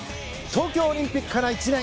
東京オリンピックから１年。